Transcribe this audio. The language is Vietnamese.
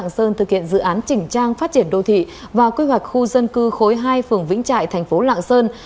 xin chào và hẹn gặp lại